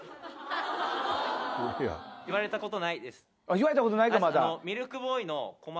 言われたことないか。